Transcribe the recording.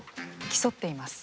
競っています。